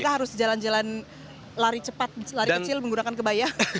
kita harus jalan jalan lari cepat lari kecil menggunakan kebaya